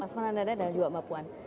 mas manadada dan juga mbak puan